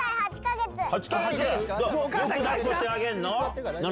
よく抱っこしてあげるの？